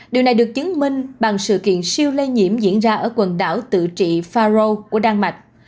đây được chứng minh bằng sự kiện siêu lây nhiễm diễn ra ở quần đảo tự trị faro của đan mạch